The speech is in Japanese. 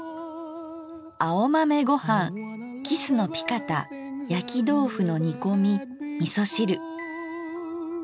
「青豆ごはんキスのピカタ焼きどうふの煮こみみそ汁」。